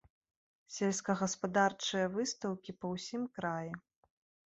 Сельскагаспадарчыя выстаўкі па ўсім краі.